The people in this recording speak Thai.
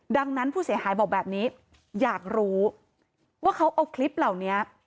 ดังนั้นผู้เสียหายบอกแบบนี้อยากรู้ว่าเขาเอาคลิปเหล่านี้